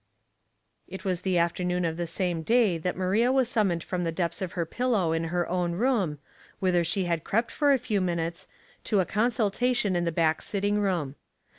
It was the afternoon of the same day that Maria was summoned from the depths of her pillow in her own room, whither she had crept for a few minutes, to a consultation in the back sitting room.